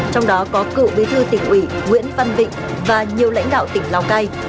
trong đó có cựu bí thư tỉnh ủy nguyễn văn vịnh và nhiều lãnh đạo tỉnh lào cai